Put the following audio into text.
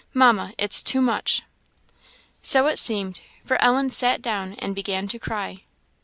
Mamma, it's too much." So it seemed, for Ellen sat down and began to cry.